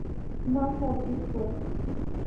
ما سر جګ کړ.